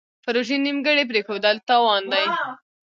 پروژې نیمګړې پریښودل تاوان دی.